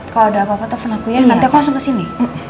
kalau ada apa apa telfon aku ya nanti aku langsung kesini